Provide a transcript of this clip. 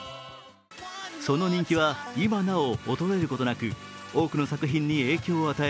その人気は今なお衰えることなく多くの作品に影響を与え